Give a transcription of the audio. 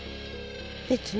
別に。